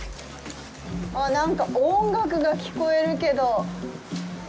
なんか音楽が聞こえるけど。